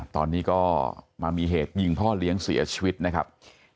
ตอนนี้ก็มามีเหตุยิงพ่อเลี้ยงเสียชีวิตนะครับ